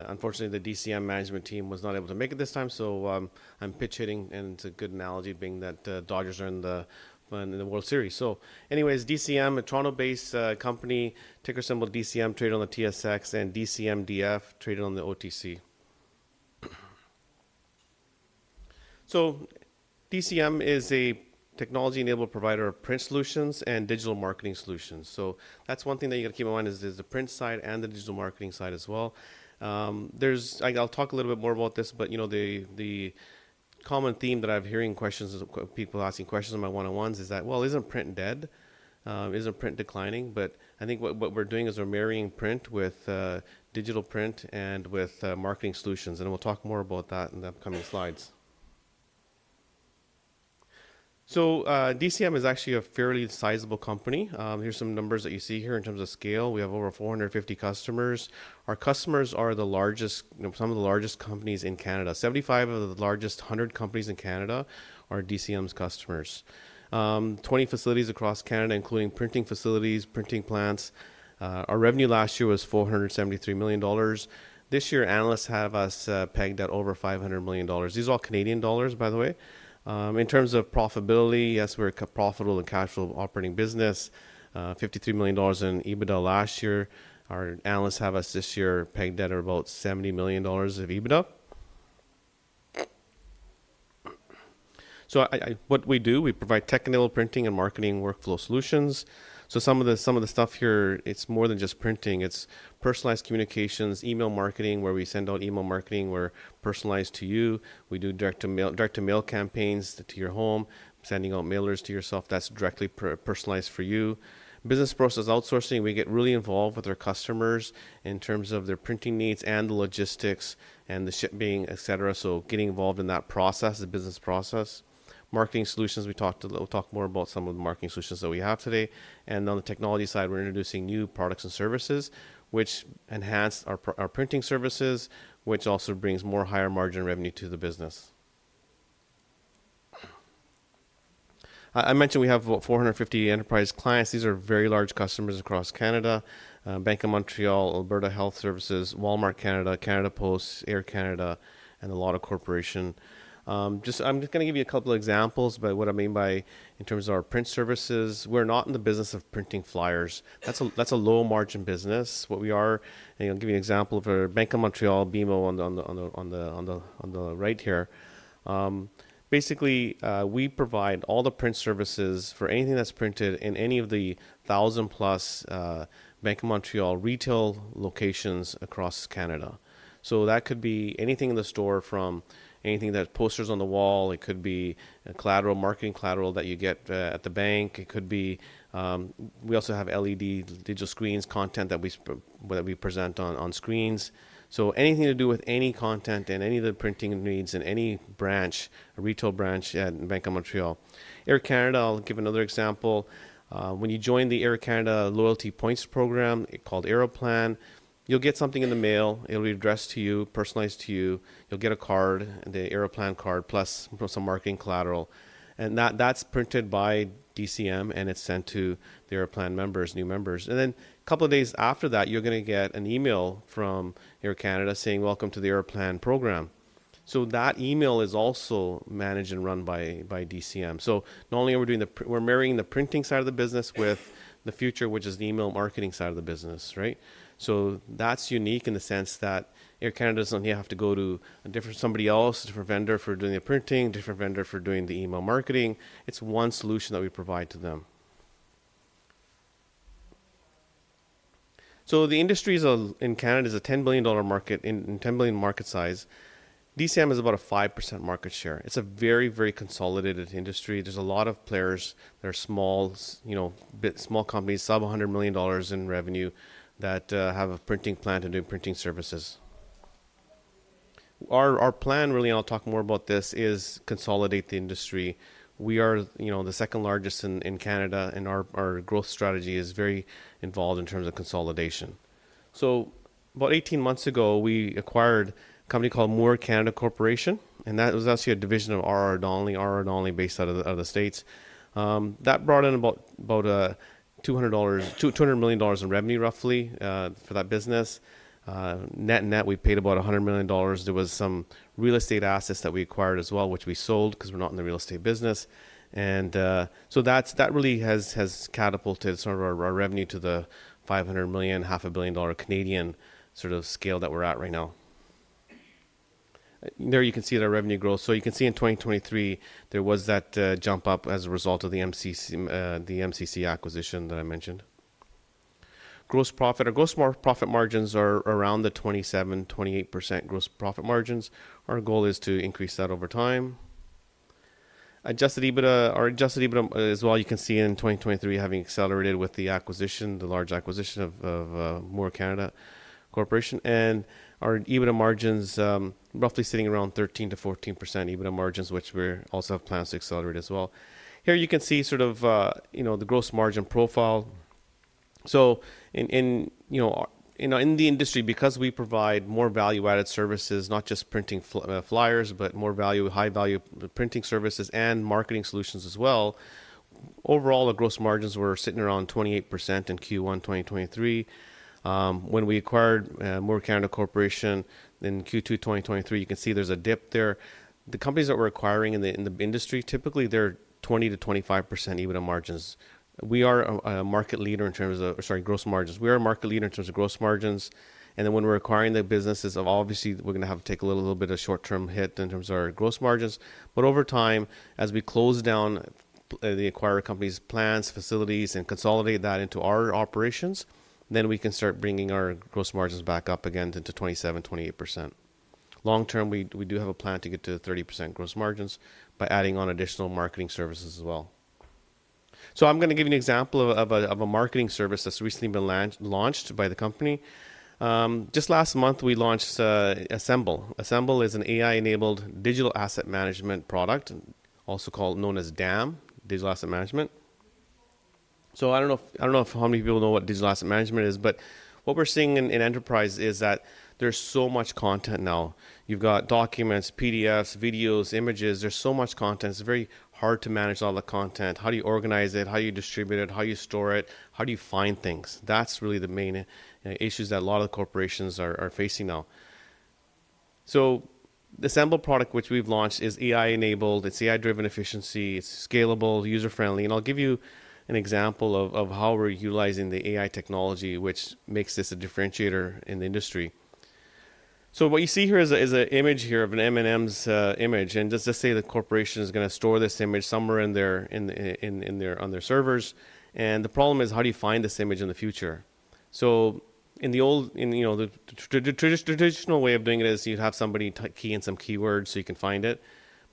Unfortunately, the DCM management team was not able to make it this time, so I'm pitch hitting, and it's a good analogy being that Dodgers are in the World Series. So anyways, DCM, a Toronto-based company, ticker symbol DCM, traded on the TSX, and DCMDF, traded on the OTC. So DCM is a technology-enabled provider of print solutions and digital marketing solutions. So that's one thing that you gotta keep in mind is the print side and the digital marketing side as well. I'll talk a little bit more about this, but you know, the common theme that I have hearing questions of people asking questions in my one-on-ones is that, well, isn't print dead? Isn't print declining? But I think what we're doing is we're marrying print with digital print and with marketing solutions. And we'll talk more about that in the upcoming slides. So, DCM is actually a fairly sizable company. Here's some numbers that you see here in terms of scale. We have over 450 customers. Our customers are the largest, you know, some of the largest companies in Canada. 75 of the largest 100 companies in Canada are DCM's customers. 20 facilities across Canada, including printing facilities, printing plants. Our revenue last year was 473 million dollars. This year, analysts have us pegged at over 500 million dollars. These are all Canadian dollars, by the way. In terms of profitability, yes, we're a profitable and cash-flow operating business. 53 million dollars in EBITDA last year. Our analysts have us this year pegged at about 70 million dollars of EBITDA. So, what we do, we provide tech-enabled printing and marketing workflow solutions. So some of the, some of the stuff here, it's more than just printing. It's personalized communications, email marketing, where we send out email marketing personalized to you. We do direct-to-mail, direct-to-mail campaigns to your home, sending out mailers to yourself. That's directly personalized for you. Business process outsourcing, we get really involved with our customers in terms of their printing needs and the logistics and the shipping, etc. So getting involved in that process, the business process. Marketing solutions, we talked a little. We'll talk more about some of the marketing solutions that we have today, and on the technology side, we're introducing new products and services, which enhance our, our printing services, which also brings more higher margin revenue to the business. I, I mentioned we have about 450 enterprise clients. These are very large customers across Canada. Bank of Montreal, Alberta Health Services, Walmart Canada, Canada Post, Air Canada, and a lot of corporations. I'm just gonna give you a couple of examples about what I mean by in terms of our print services. We're not in the business of printing flyers. That's a low-margin business. What we are, and I'll give you an example of our Bank of Montreal, BMO on the right here. Basically, we provide all the print services for anything that's printed in any of the 1,000-plus Bank of Montreal retail locations across Canada. So that could be anything in the store, from anything that's posters on the wall. It could be marketing collateral that you get at the bank. It could be, we also have LED digital screens, content that we present on screens. So anything to do with any content and any of the printing needs in any branch, retail branch at Bank of Montreal. Air Canada, I'll give another example. When you join the Air Canada loyalty points program called Aeroplan, you'll get something in the mail. It'll be addressed to you, personalized to you. You'll get a card, the Aeroplan card, plus some marketing collateral. And that, that's printed by DCM, and it's sent to the Aeroplan members, new members. And then a couple of days after that, you're gonna get an email from Air Canada saying, "Welcome to the Aeroplan program." So that email is also managed and run by DCM. So not only are we doing the—we're marrying the printing side of the business with the future, which is the email marketing side of the business, right? So that's unique in the sense that Air Canada doesn't have to go to a different somebody else, a different vendor for doing the printing, a different vendor for doing the email marketing. It's one solution that we provide to them. So the industry in Canada is a 10 billion dollar market, 10 billion market size. DCM is about a 5% market share. It's a very, very consolidated industry. There's a lot of players that are small, you know, small companies, sub-$100 million in revenue that have a printing plant and do printing services. Our plan, really, and I'll talk more about this, is to consolidate the industry. We are, you know, the second largest in Canada, and our growth strategy is very involved in terms of consolidation. So about 18 months ago, we acquired a company called Moore Canada Corporation, and that was actually a division of R.R. Donnelley based out of the States. That brought in about $200 million in revenue, roughly, for that business. Net-net we paid about $100 million. There was some real estate assets that we acquired as well, which we sold 'cause we're not in the real estate business. So that's that really has catapulted sort of our revenue to the 500 million, half a billion Canadian sort of scale that we're at right now. There you can see that our revenue grows. So you can see in 2023, there was that jump up as a result of the MCC acquisition that I mentioned. Gross profit, our gross profit margins are around the 27%-28% gross profit margins. Our goal is to increase that over time. Adjusted EBITDA, our adjusted EBITDA as well, you can see in 2023 having accelerated with the large acquisition of Moore Canada Corporation. Our EBITDA margins, roughly sitting around 13%-14% EBITDA margins, which we also have plans to accelerate as well. Here you can see sort of, you know, the gross margin profile. So in the industry, because we provide more value-added services, not just printing fliers, but more value, high-value printing services and marketing solutions as well, overall, our gross margins were sitting around 28% in Q1 2023. When we acquired Moore Canada Corporation in Q2 2023, you can see there's a dip there. The companies that we're acquiring in the industry, typically they're 20%-25% EBITDA margins. We are a market leader in terms of, or sorry, gross margins. We are a market leader in terms of gross margins. And then when we're acquiring the businesses, obviously we're gonna have to take a little bit of short-term hit in terms of our gross margins. But over time, as we close down the acquirer company's plants, facilities, and consolidate that into our operations, then we can start bringing our gross margins back up again into 27%-28%. Long-term, we do have a plan to get to 30% gross margins by adding on additional marketing services as well. So I'm gonna give you an example of a marketing service that's recently been launched by the company. Just last month, we launched Assemble. Assemble is an AI-enabled digital asset management product, also called known as DAM, digital asset management. So I don't know if how many people know what digital asset management is, but what we're seeing in enterprise is that there's so much content now. You've got documents, PDFs, videos, images. There's so much content. It's very hard to manage all the content. How do you organize it? How do you distribute it? How do you store it? How do you find things? That's really the main issues that a lot of the corporations are facing now. The Assemble product, which we've launched, is AI-enabled. It's AI-driven efficiency. It's scalable, user-friendly. I'll give you an example of how we're utilizing the AI technology, which makes this a differentiator in the industry. What you see here is an image here of an M&M'S image. Just to say the corporation is gonna store this image somewhere in their on their servers. The problem is, how do you find this image in the future? In the old, you know, the traditional way of doing it is you'd have somebody key in some keywords so you can find it.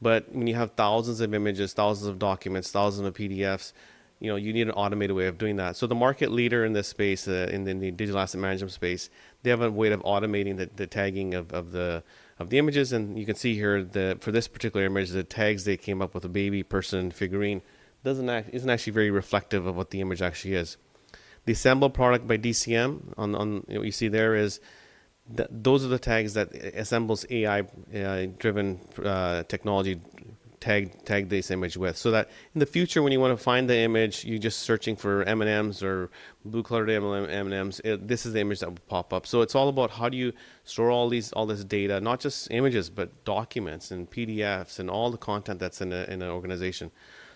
But when you have thousands of images, thousands of documents, thousands of PDFs, you know, you need an automated way of doing that. So the market leader in this space, in the digital asset management space, they have a way of automating the tagging of the images. And you can see here, for this particular image, the tags they came up with—a baby person figurine—doesn't accurately, isn't actually very reflective of what the image actually is. The Assemble product by DCM, you know, you see there that those are the tags that Assemble's AI-driven technology tagged this image with. So that in the future, when you wanna find the image, you're just searching for M&M'S or blue-colored M&M'S, this is the image that will pop up. So it's all about how do you store all these, all this data, not just images, but documents and PDFs and all the content that's in a, in an organization.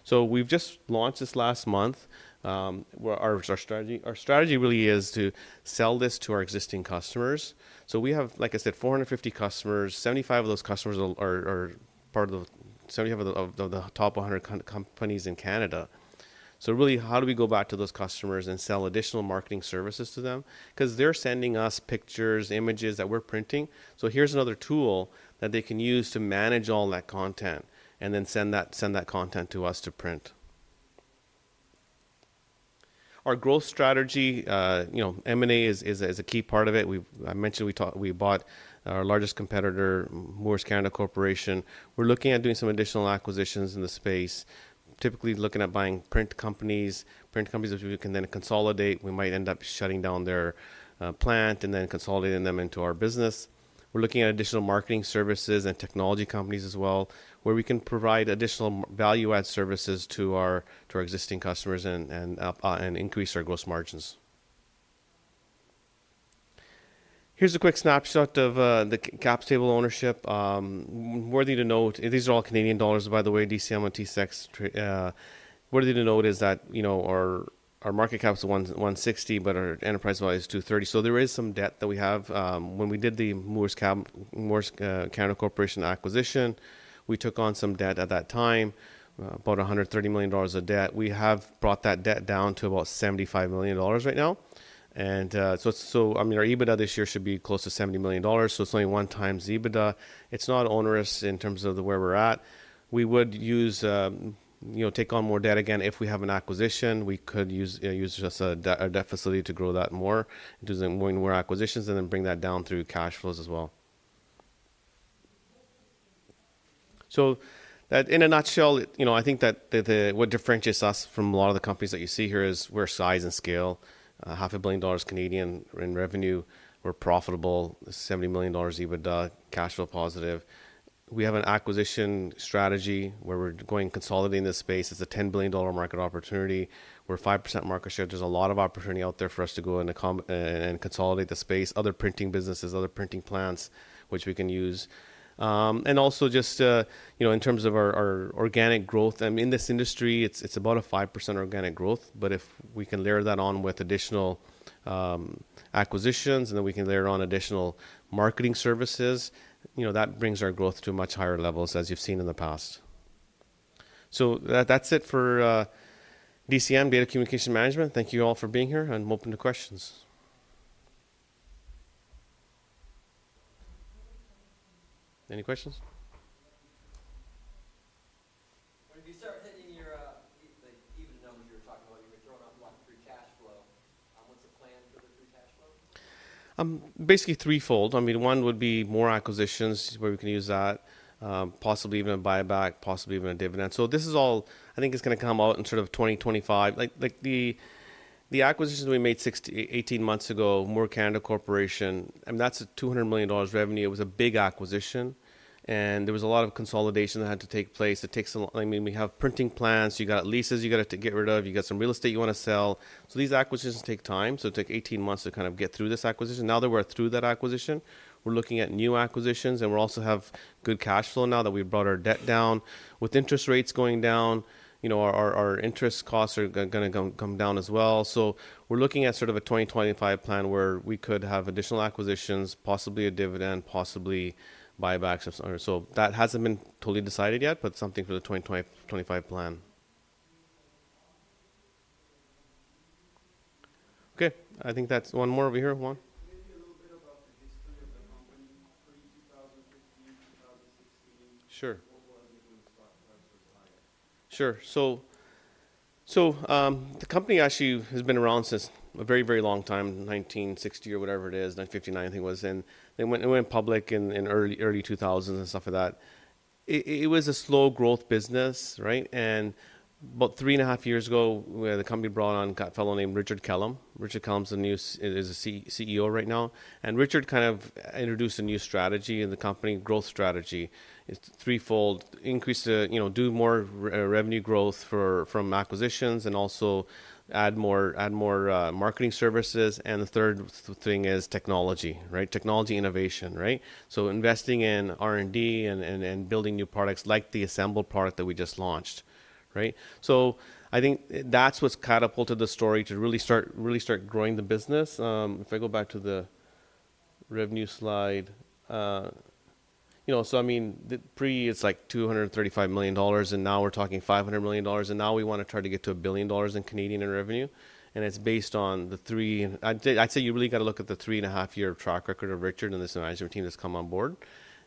So we've just launched this last month, where our strategy really is to sell this to our existing customers. So we have, like I said, 450 customers. 75 of those customers are part of the top 100 companies in Canada. So really, how do we go back to those customers and sell additional marketing services to them? 'Cause they're sending us pictures, images that we're printing. So here's another tool that they can use to manage all that content and then send that content to us to print. Our growth strategy, you know, M&A is a key part of it. I mentioned we talked, we bought our largest competitor, Moore Canada Corporation. We're looking at doing some additional acquisitions in the space, typically looking at buying print companies that we can then consolidate. We might end up shutting down their plant and then consolidating them into our business. We're looking at additional marketing services and technology companies as well, where we can provide additional value-add services to our existing customers and increase our gross margins. Here's a quick snapshot of the cap table ownership. Worthy to note, and these are all Canadian dollars, by the way, DCM and TSX. Worthy to note is that, you know, our market cap is 116, but our enterprise value is 230. So there is some debt that we have. When we did the Moore Canada Corporation acquisition, we took on some debt at that time, about 130 million dollars of debt. We have brought that debt down to about 75 million dollars right now. And, so it's, so I mean, our EBITDA this year should be close to 70 million dollars. So it's only one times EBITDA. It's not onerous in terms of where we're at. We would use, you know, take on more debt again. If we have an acquisition, we could use, use just a debt, a debt facility to grow that more into when we're acquisitions and then bring that down through cash flows as well. So that in a nutshell, you know, I think that the, what differentiates us from a lot of the companies that you see here is we're size and scale, 500 million dollars in revenue. We're profitable, 70 million dollars EBITDA, cash flow positive. We have an acquisition strategy where we're going consolidating this space. It's a 10 billion dollar market opportunity. We're 5% market share. There's a lot of opportunity out there for us to go and consolidate the space, other printing businesses, other printing plants, which we can use. And also just, you know, in terms of our organic growth, I mean, in this industry, it's about a 5% organic growth. But if we can layer that on with additional acquisitions and then we can layer on additional marketing services, you know, that brings our growth to much higher levels, as you've seen in the past. So that's it for DCM, Data Communications Management. Thank you all for being here. I'm open to questions. Any questions? When you start hitting your EBITDA, when you were talking about, you were throwing out like free cash flow. What's the plan for the free cash flow? Basically threefold. I mean, one would be more acquisitions where we can use that, possibly even a buyback, possibly even a dividend. So this is all. I think it's gonna come out in sort of 2025. Like the acquisition that we made 16, 18 months ago, Moore Canada Corporation. I mean, that's a 200 million dollars revenue. It was a big acquisition, and there was a lot of consolidation that had to take place. It takes a lot. I mean, we have printing plants. You got leases you got to get rid of. You got some real estate you wanna sell. So these acquisitions take time. So it took 18 months to kind of get through this acquisition. Now that we're through that acquisition, we're looking at new acquisitions, and we also have good cash flow now that we've brought our debt down. With interest rates going down, you know, our interest costs are gonna come down as well. So we're looking at sort of a 2025 plan where we could have additional acquisitions, possibly a dividend, possibly buybacks of some. So that hasn't been totally decided yet, but something for the 2025 plan. Okay. I think that's one more over here. One? Maybe a little bit about the history of the company. 2015, 2016. Sure. What was it when the stock price was higher? Sure. So the company actually has been around since a very, very long time, 1960 or whatever it is, 1959, I think it was. And it went public in early 2000s and stuff like that. It was a slow growth business, right? And about three and a half years ago, the company brought on a guy fellow named Richard Kellam. Richard Kellam is a CEO right now. And Richard kind of introduced a new strategy in the company, growth strategy. It's threefold, increase, you know, do more revenue growth from acquisitions and also add more marketing services. And the third thing is technology, right? Technology innovation, right? So investing in R&D and building new products like the Assemble product that we just launched, right? So I think that's what's catapulted the story to really start growing the business. If I go back to the revenue slide, you know, so I mean, the pre, it's like 235 million dollars, and now we're talking 500 million dollars, and now we wanna try to get to 1 billion dollars in Canadian revenue. And it's based on the three, and I'd say you really gotta look at the three and a half year track record of Richard and this management team that's come on board.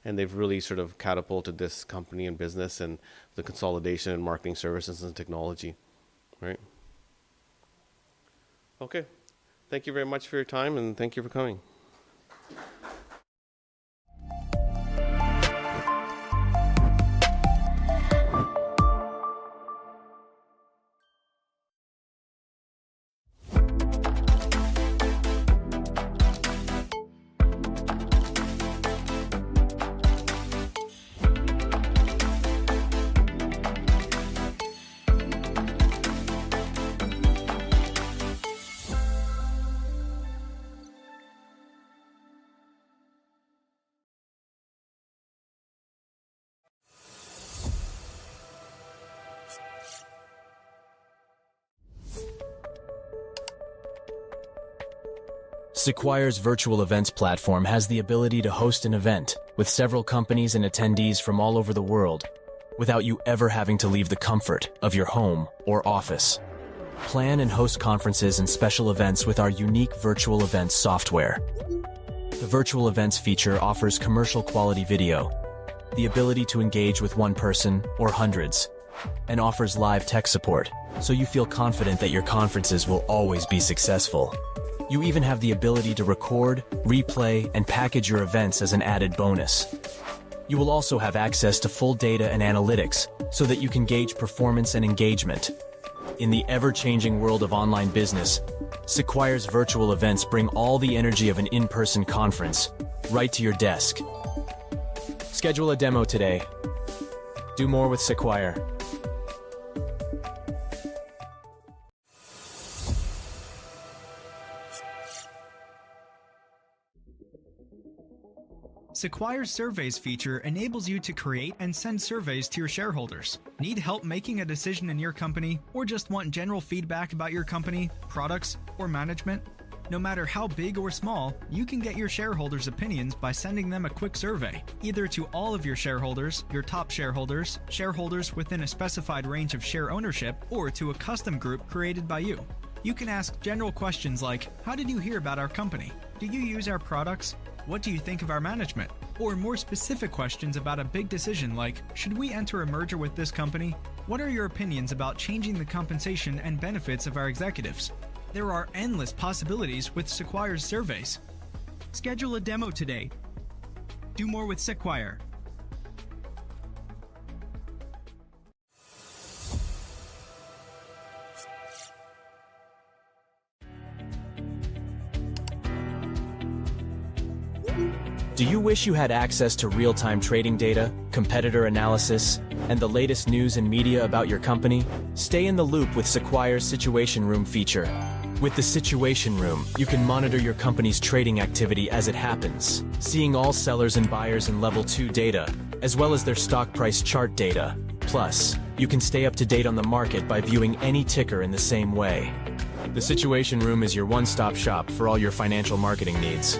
And they've really sort of catapulted this company and business and the consolidation and marketing services and technology, right? Okay. Thank you very much for your time, and thank you for coming. Sequire's virtual events platform has the ability to host an event with several companies and attendees from all over the world without you ever having to leave the comfort of your home or office. Plan and host conferences and special events with our unique Virtual Events software. The virtual events feature offers commercial quality video, the ability to engage with one person or hundreds, and offers live tech support so you feel confident that your conferences will always be successful. You even have the ability to record, replay, and package your events as an added bonus. You will also have access to full data and analytics so that you can gauge performance and engagement. In the ever-changing world of online business, Sequire Virtual Events bring all the energy of an in-person conference right to your desk. Schedule a demo today. Do more with Sequire. Sequire Surveys feature enables you to create and send surveys to your shareholders. Need help making a decision in your company, or just want general feedback about your company, products, or management? No matter how big or small, you can get your shareholders' opinions by sending them a quick survey, either to all of your shareholders, your top shareholders, shareholders within a specified range of share ownership, or to a custom group created by you. You can ask general questions like, "How did you hear about our company? Do you use our products? What do you think of our management?" Or more specific questions about a big decision like, "Should we enter a merger with this company? What are your opinions about changing the compensation and benefits of our executives?" There are endless possibilities with Sequire Surveys. Schedule a demo today. Do more with Sequire. Do you wish you had access to real-time trading data, competitor analysis, and the latest news and media about your company? Stay in the loop with Sequire Situation Room. With the Situation Room, you can monitor your company's trading activity as it happens, seeing all sellers and buyers in level two data, as well as their stock price chart data. Plus, you can stay up to date on the market by viewing any ticker in the same way. The Situation Room is your one-stop shop for all your financial marketing needs.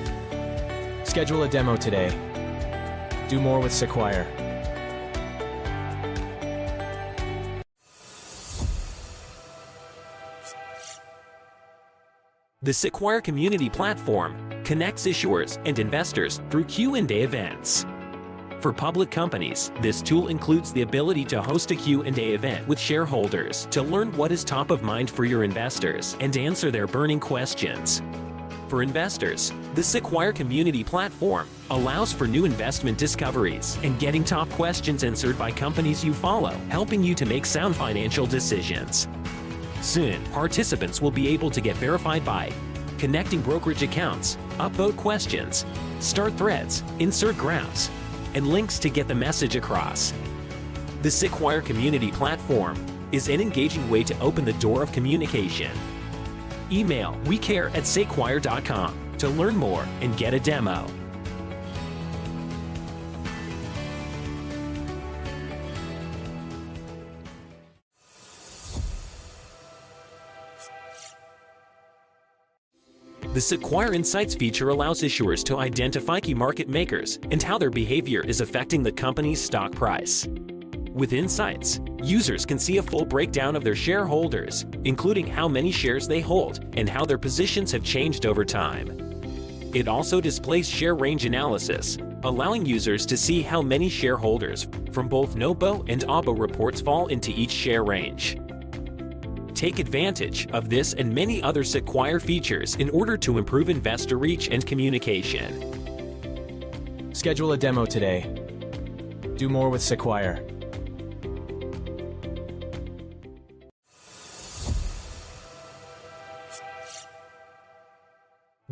Schedule a demo today. Do more with Sequire.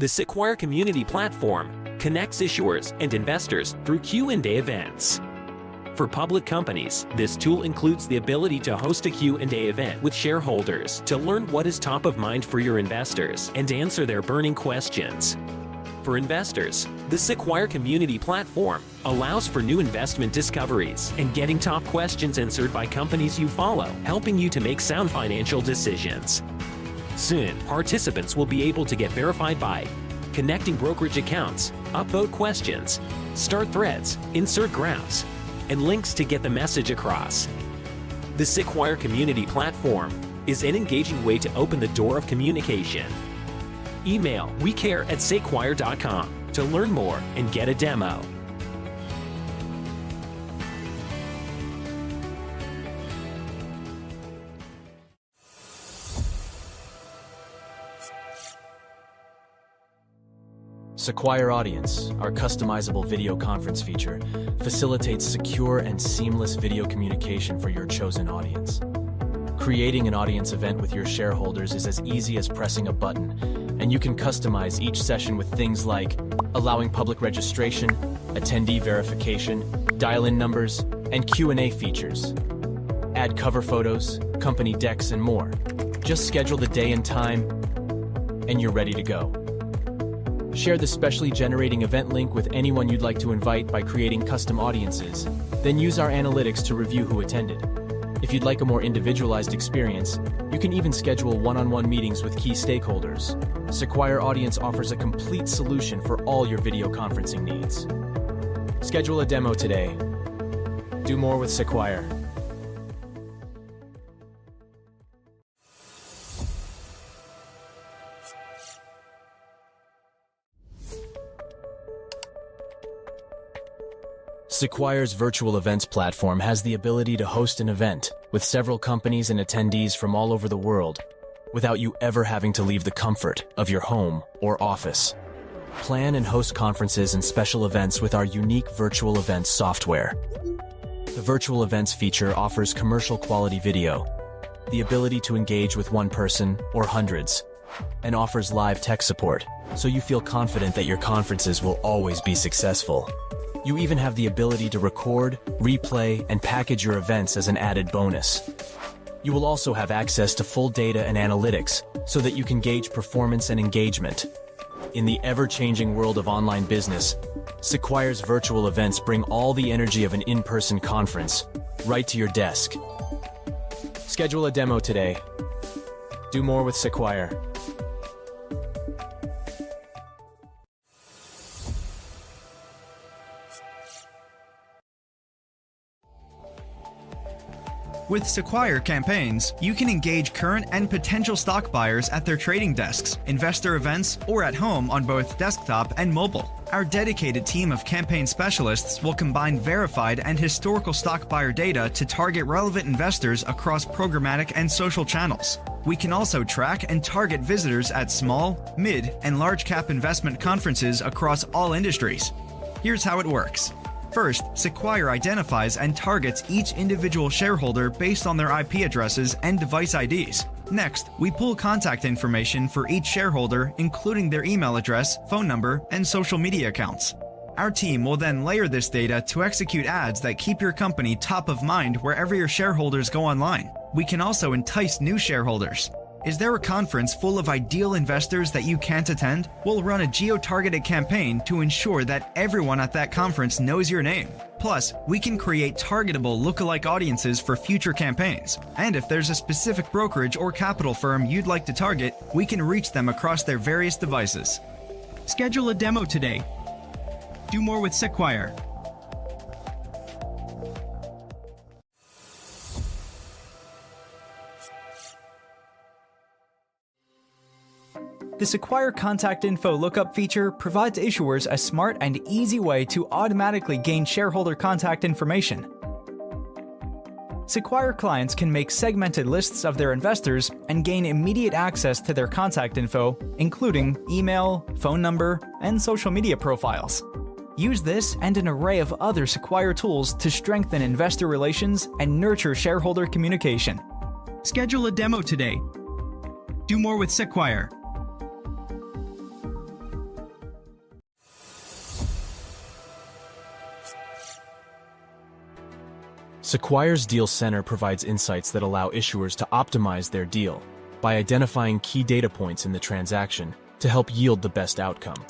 The Sequire Community Platform connects issuers and investors through Q&A events. For public companies, this tool includes the ability to host a Q&A event with shareholders to learn what is top of mind for your investors and answer their burning questions. For investors, the Sequire Community Platform allows for new investment discoveries and getting top questions answered by companies you follow, helping you to make sound financial decisions. Soon, participants will be able to get verified by connecting brokerage accounts, upvote questions, start threads, insert graphs, and links to get the message across. The Sequire Community Platform is an engaging way to open the door of communication. Email wecare@sequire.com to learn more and get a demo. Share the specially generated event link with anyone you'd like to invite by creating custom audiences, then use our analytics to review who attended. If you'd like a more individualized experience, you can even schedule one-on-one meetings with key stakeholders. Sequire Audience offers a complete solution for all your video conferencing needs. Schedule a demo today. Do more with Sequire. Sequire's virtual events platform has the ability to host an event with several companies and attendees from all over the world without you ever having to leave the comfort of your home or office. Plan and host conferences and special events with our unique virtual events software. The virtual events feature offers commercial quality video, the ability to engage with one person or hundreds, and offers live tech support so you feel confident that your conferences will always be successful. You even have the ability to record, replay, and package your events as an added bonus. You will also have access to full data and analytics so that you can gauge performance and engagement. In the ever-changing world of online business, Sequire's virtual events bring all the energy of an in-person conference right to your desk. Schedule a demo today. Do more with Sequire. With Sequire Campaigns, you can engage current and potential stock buyers at their trading desks, investor events, or at home on both desktop and mobile. Our dedicated team of campaign specialists will combine verified and historical stock buyer data to target relevant investors across programmatic and social channels. We can also track and target visitors at small, mid, and large-cap investment conferences across all industries. Here's how it works. First, Sequire identifies and targets each individual shareholder based on their IP addresses and device IDs. Next, we pull contact information for each shareholder, including their email address, phone number, and social media accounts. Our team will then layer this data to execute ads that keep your company top of mind wherever your shareholders go online. We can also entice new shareholders. Is there a conference full of ideal investors that you can't attend? We'll run a geo-targeted campaign to ensure that everyone at that conference knows your name. Plus, we can create targetable lookalike audiences for future campaigns. If there's a specific brokerage or capital firm you'd like to target, we can reach them across their various devices. Schedule a demo today. Do more with Sequire. The Sequire Contact Info Lookup feature provides issuers a smart and easy way to automatically gain shareholder contact information. Sequire clients can make segmented lists of their investors and gain immediate access to their contact info, including email, phone number, and social media profiles. Use this and an array of other Sequire tools to strengthen investor relations and nurture shareholder communication. Schedule a demo today. Do more with Sequire. Sequire's Deal Center provides insights that allow issuers to optimize their deal by identifying key data points in the transaction to help yield the best outcome.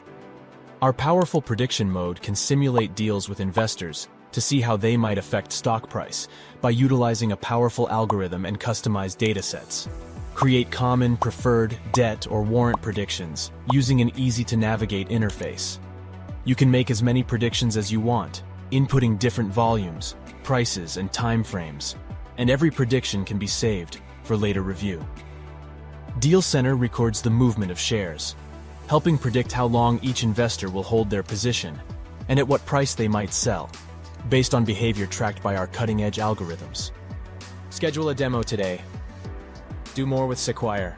Our powerful prediction mode can simulate deals with investors to see how they might affect stock price by utilizing a powerful algorithm and customized data sets. Create common, preferred, debt, or warrant predictions using an easy-to-navigate interface. You can make as many predictions as you want, inputting different volumes, prices, and timeframes, and every prediction can be saved for later review. Deal Center records the movement of shares, helping predict how long each investor will hold their position and at what price they might sell based on behavior tracked by our cutting-edge algorithms. Schedule a demo today. Do more with Sequire.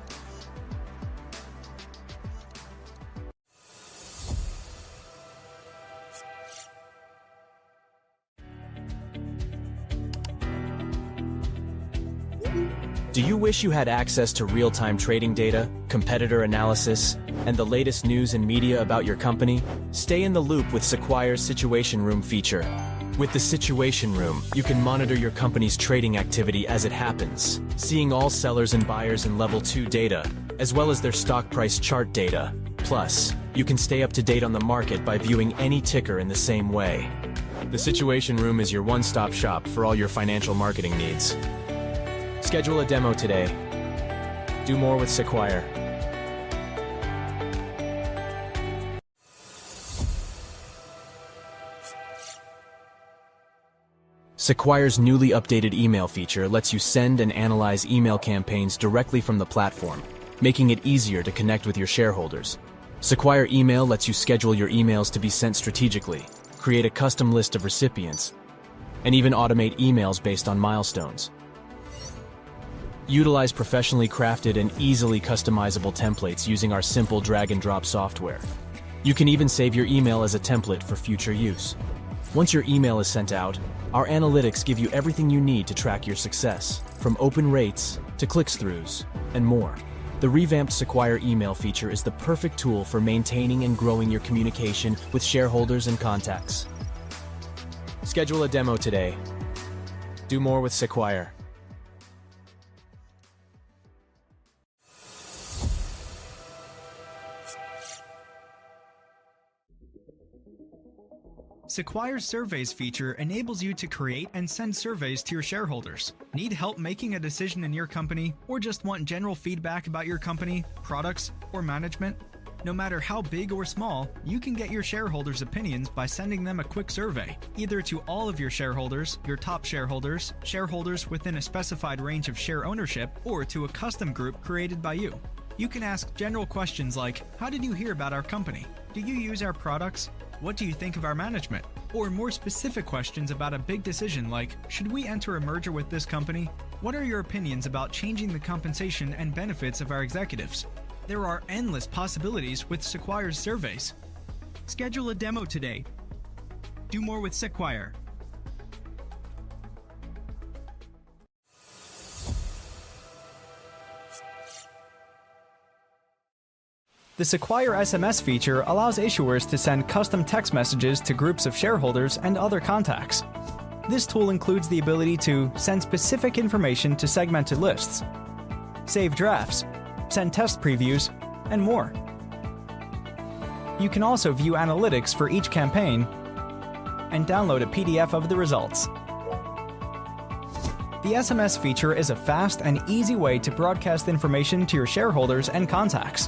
Do you wish you had access to real-time trading data, competitor analysis, and the latest news and media about your company? Stay in the loop with Sequire's Situation Room feature. With the Situation Room, you can monitor your company's trading activity as it happens, seeing all sellers and buyers in level two data, as well as their stock price chart data. Plus, you can stay up to date on the market by viewing any ticker in the same way. The Situation Room is your one-stop shop for all your financial marketing needs. Schedule a demo today. Do more with Sequire. Sequire's newly updated email feature lets you send and analyze email campaigns directly from the platform, making it easier to connect with your shareholders. Sequire Email lets you schedule your emails to be sent strategically, create a custom list of recipients, and even automate emails based on milestones. Utilize professionally crafted and easily customizable templates using our simple drag-and-drop software. You can even save your email as a template for future use. Once your email is sent out, our analytics give you everything you need to track your success, from open rates to click-throughs and more. The revamped Sequire Email feature is the perfect tool for maintaining and growing your communication with shareholders and contacts. Schedule a demo today. Do more with Sequire. Sequire's surveys feature enables you to create and send surveys to your shareholders. Need help making a decision in your company or just want general feedback about your company, products, or management? No matter how big or small, you can get your shareholders' opinions by sending them a quick survey, either to all of your shareholders, your top shareholders, shareholders within a specified range of share ownership, or to a custom group created by you. You can ask general questions like, "How did you hear about our company? Do you use our products? What do you think of our management?" Or more specific questions about a big decision like, "Should we enter a merger with this company? What are your opinions about changing the compensation and benefits of our executives?" There are endless possibilities with Sequire's surveys. Schedule a demo today. Do more with Sequire. The Sequire SMS feature allows issuers to send custom text messages to groups of shareholders and other contacts. This tool includes the ability to send specific information to segmented lists, save drafts, send test previews, and more. You can also view analytics for each campaign and download a PDF of the results. The SMS feature is a fast and easy way to broadcast information to your shareholders and contacts.